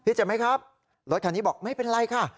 เจ็บไหมครับรถคันนี้บอกไม่เป็นไรค่ะ